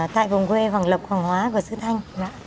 tại vùng quê hoàng lộc hoàng hóa của sư thanh